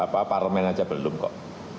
pak paromen aja belum kok